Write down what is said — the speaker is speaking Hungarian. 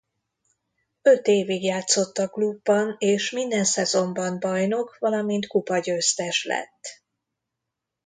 Öt évig játszott a klubban és minden szezonban bajnok valamint kupagyőztes lett.